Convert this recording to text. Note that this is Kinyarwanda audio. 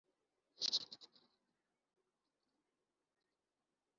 ugaragaza ubushake bwo kubaka ariko adatabangamiye